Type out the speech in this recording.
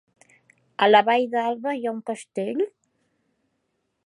A la Vall d'Alba hi ha un castell?